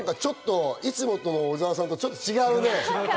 いつもの小澤さんとちょっと違うね。